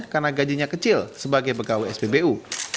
karena gajinya kecil sebagai pegawai spbu